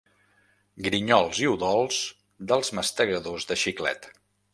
Grinyols i udols dels mastegadors de xiclet.